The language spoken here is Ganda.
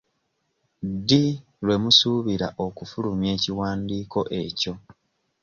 Ddi lwe musuubira okufulumya ekiwandiiko ekyo.